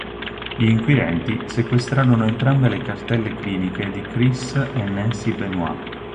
Gli incquirenti sequestrarono entrambe le cartelle cliniche di Chris e Nancy Benoit.